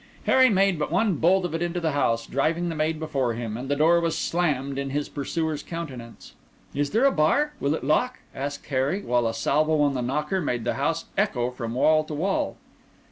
Harry made but one bolt of it into the house, driving the maid before him; and the door was slammed in his pursuer's countenance. "Is there a bar? Will it lock?" asked Harry, while a salvo on the knocker made the house echo from wall to wall.